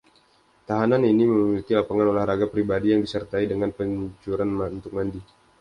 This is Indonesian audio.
Tahanan ini memiliki lapangan olahraga pribadi yang disertai dengan pancuran untuk mandi.